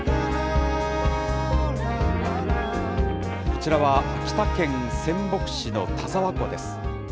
こちらは、秋田県仙北市の田沢湖です。